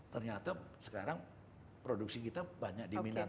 ternyata sekarang produksi kita banyak diminati